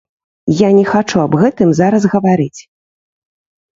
Я не хачу аб гэтым зараз гаварыць.